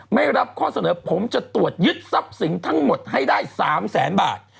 ไม่รับข้อเสนอผมจะตรวจยึดทรัพย์สินทั้งหมดให้ได้๓แสนบาท